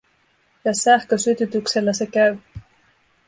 Ja sähkösytytyksellä se käy.